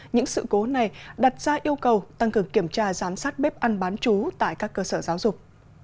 những sự cố này đặt ra yêu cầu tăng cường kiểm tra giám sát bếp ăn bán chú tại các cơ sở giáo dục